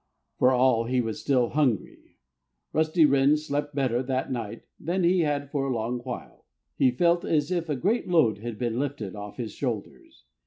For all he was still hungry, Rusty Wren slept better that night than he had for a long while. He felt as if a great load had been lifted off his shoulders.